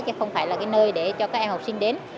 chứ không phải là cái nơi để cho các em học sinh đến